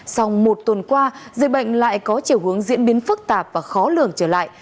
sau một tuần qua dịch bệnh lại có chiều hướng diễn biến phức tạp và khó lường trở lại